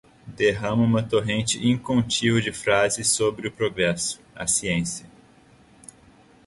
derrama uma torrente incontível de frases sobre o progresso, a ciência